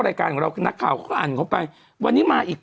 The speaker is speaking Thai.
รายการของเราคือนักข่าวเขาก็อ่านเขาไปวันนี้มาอีก